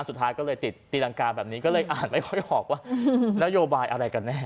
สุดท้ายก็เลยติดตีรังกาแบบนี้ก็เลยอ่านไม่ค่อยออกว่านโยบายอะไรกันแน่